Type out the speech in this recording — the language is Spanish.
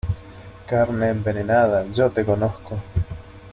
carne envenenada. yo te conozco .